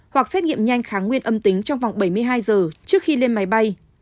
hoặc xét nghiệm nhanh kháng nguyên âm tính trong vòng bảy mươi hai giờ trước khi lên máy bay